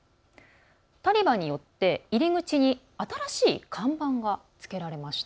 タリバンによって、入り口に新しい看板がつけられました。